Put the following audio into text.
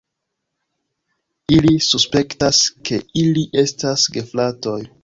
Ili suspektas, ke ili estas gefratoj.